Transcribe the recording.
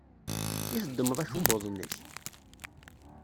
I teddmeḍ akebbuḍ-nnek?